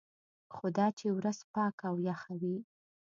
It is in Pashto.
خو دا چې ورځ پاکه او یخه وي.